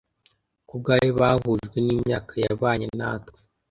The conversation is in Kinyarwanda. kubwawe bahujwe nimyaka yabanye natwe